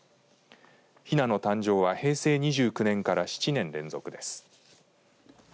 ひなの誕生は平成２９年から７年連続です。